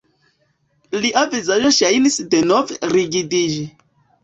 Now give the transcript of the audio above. Lia vizaĝo ŝajnis denove rigidiĝi.